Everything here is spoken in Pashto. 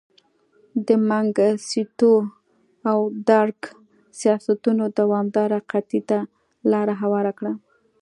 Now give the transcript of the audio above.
د منګستیو او درګ سیاستونو دوامداره قحطۍ ته لار هواره کړه.